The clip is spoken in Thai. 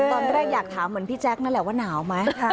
ตอนแรกอยากถามเหมือนพี่แจ๊คนั่นแหละว่าหนาวไหม